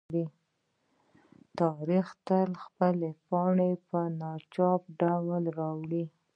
تاریخ تل خپلې پاڼې په ناڅاپي ډول اړوي.